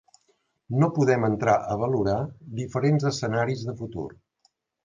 No podem entrar a valorar diferents escenaris de futur.